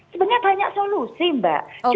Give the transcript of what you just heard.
sebenarnya banyak solusi mbak